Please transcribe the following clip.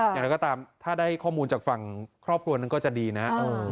อย่างไรก็ตามถ้าได้ข้อมูลจากฝั่งครอบครัวนึงก็จะดีนะ